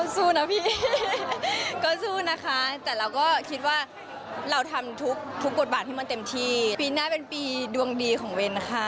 สู้นะพี่ก็สู้นะคะแต่เราก็คิดว่าเราทำทุกบทบาทที่มันเต็มที่ปีหน้าเป็นปีดวงดีของเว้นค่ะ